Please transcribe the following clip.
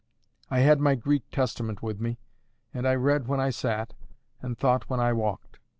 I had my Greek Testament with me, and I read when I sat, and thought when I walked.